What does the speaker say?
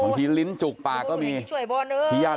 เป็นอีกเร้วเหมือนหลายคนออกตัวชาติ